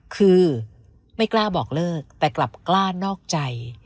คือไม่กล้าบอกเลิกแต่กลับกล้านอกใจ